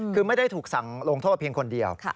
คือไม่ได้ถูกสั่งลงโทษเพียงคนเดียว